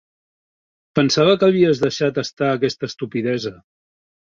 Pensava que havies deixat estar aquesta estupidesa.